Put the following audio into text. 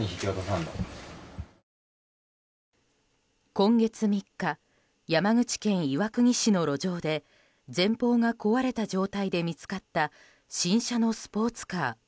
今月３日山口県岩国市の路上で前方が壊れた状態で見つかった新車のスポーツカー。